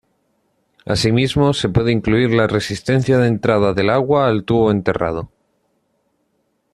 Asimismo se puede incluir la "resistencia de entrada" del agua al tubo enterrado.